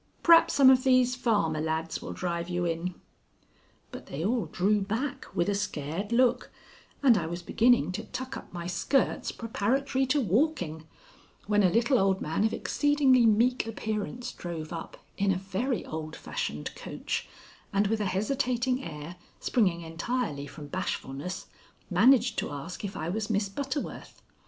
Perhaps some of these farmer lads will drive you in." But they all drew back with a scared look, and I was beginning to tuck up my skirts preparatory to walking, when a little old man of exceedingly meek appearance drove up in a very old fashioned coach, and with a hesitating air, springing entirely from bashfulness, managed to ask if I was Miss Butterworth.